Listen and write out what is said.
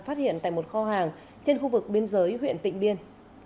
phát hiện tại một kho hàng trên khu vực biên giới huyện tịnh biên